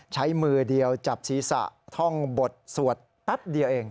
ใช้มือเดียวจับศีรษะท่องบทสวดแป๊บเดียวเอง